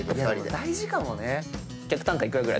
大事かもね。